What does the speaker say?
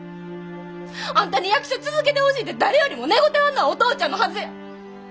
あんたに役者続けてほしいて誰よりも願てはんのはお父ちゃんのはずや。